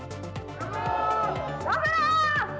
頑張ろう。